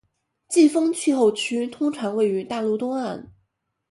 季风气候区通常位于大陆东岸